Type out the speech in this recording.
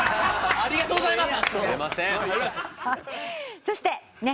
ありがとうございます。